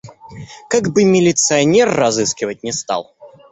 Как бы милиционер разыскивать не стал.